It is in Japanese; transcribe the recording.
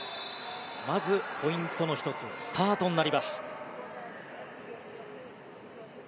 まずポイントの１つスタートになります。